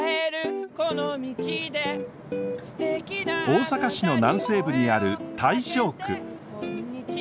大阪市の南西部にある大正区。